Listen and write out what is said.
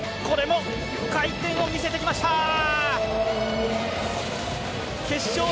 これも回転を見せてきました！